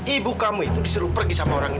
ibu kamu itu disuruh pergi sama orang